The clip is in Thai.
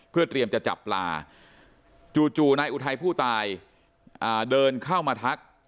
เพื่อเตรียมจะจับปลาจู่นายอุทัยผู้ตายเดินเข้ามาทัก